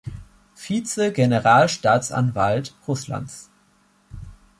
Vize-Generalstaatsanwalt Russlands.